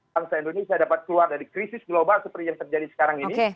bangsa indonesia dapat keluar dari krisis global seperti yang terjadi sekarang ini